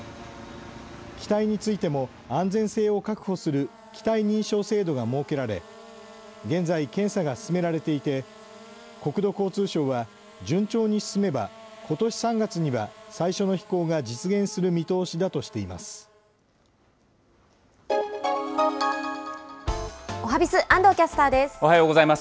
機体についても、安全性を確保する機体認証制度が設けられ、現在、検査が進められていて、国土交通省は、順調に進めばことし３月には最初の飛行が実現する見通しだとしておはＢｉｚ、おはようございます。